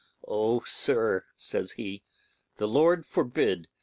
'Oh, sir,' says he, 'the Lord forbid!